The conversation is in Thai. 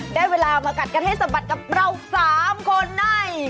ได้เวลามากัดกันให้สะบัดกับเรา๓คนใน